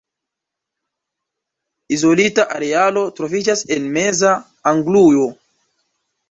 Izolita arealo troviĝas en meza Anglujo.